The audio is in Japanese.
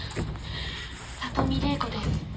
里見麗子です。